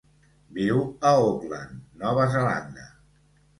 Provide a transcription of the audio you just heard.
Viu a Auckland, Nova Zelanda.